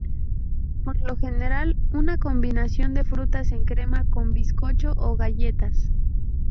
Por lo general, una combinación de frutas en crema con bizcocho o galletas.